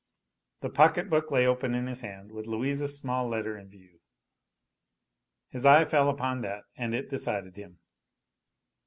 The pocket book lay open in his hand, with Louise's small letter in view. His eye fell upon that, and it decided him.